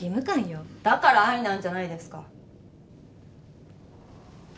だから愛なんじゃないですか。